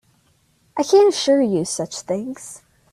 I can't assure you such things.